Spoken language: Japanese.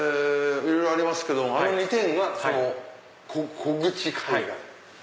いろいろありますけどもあの２点がその木口絵画。